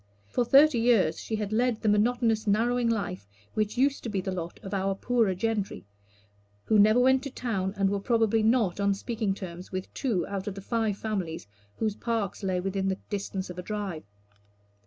For thirty years she had led the monotonous, narrowing life which used to be the lot of our poorer gentry; who never went to town, and were probably not on speaking terms with two out of the five families whose parks lay within the distance of a drive.